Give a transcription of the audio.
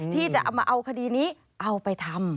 ที่จะเอามาเอาคดีนี้เอาไปทำ